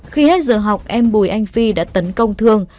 khi hết giờ học em bùi anh phi đã tấn công thương